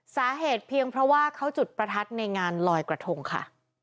สาเหตุเพียงเพราะว่าเขาจุดประทัดในงานลอยกระทงค่ะ